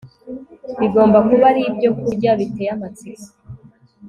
Bigomba kuba ari ibyokurya biteye amatsiko